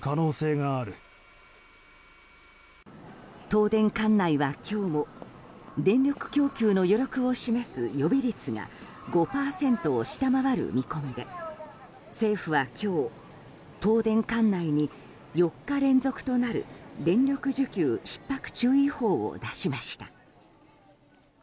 東電管内は今日も電力供給の余力を示す予備率が５％を下回る見込みで政府は今日東電管内に４日連続となる電力需給ひっ迫注意報を出しました。